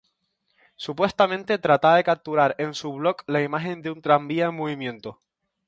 Supuestamente trataba de capturar en su block la imagen de un tranvía en movimiento.